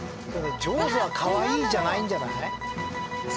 ジョーズはカワイイじゃないんじゃない？